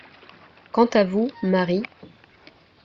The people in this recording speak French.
Quant à vous, Marie…